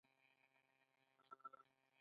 ایا زه باید ډاکټر ته لاړ شم؟